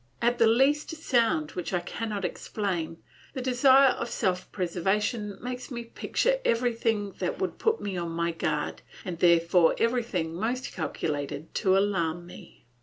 At the least sound which I cannot explain, the desire of self preservation makes me picture everything that would put me on my guard, and therefore everything most calculated to alarm me.